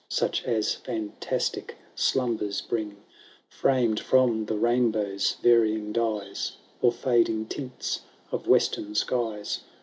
Such as fantastic slumbers bring, FramM from the iainbow*s varying dyes, Or fading tints of western skies.